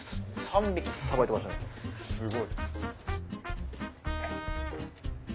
すごい。